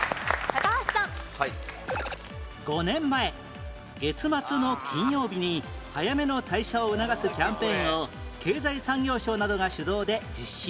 ５年前月末の金曜日に早めの退社を促すキャンペーンを経済産業省などが主導で実施